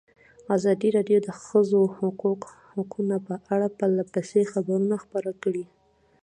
ازادي راډیو د د ښځو حقونه په اړه پرله پسې خبرونه خپاره کړي.